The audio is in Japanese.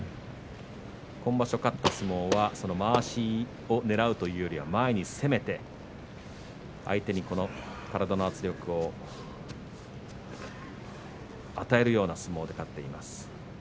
今場所、勝った相撲はまわしをねらうというよりも前に攻めて相手に体の圧力を与えるような相撲で勝っています。